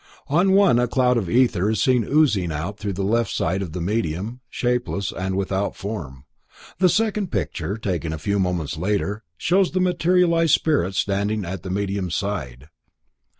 On one a cloud of ether is seen oozing out through the left side of the medium, shapeless and without form. The second picture, taken a few moments later, shows the materialized spirit standing at the medium's side.